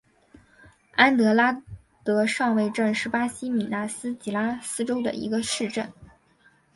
安德拉德上尉镇是巴西米纳斯吉拉斯州的一个市镇。